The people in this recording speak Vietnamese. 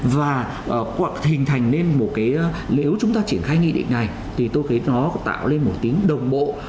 và hoặc hình thành nên một cái nếu chúng ta triển khai nghị định này thì tôi thấy nó tạo lên một tính đồng bộ